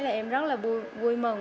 là em rất là vui mừng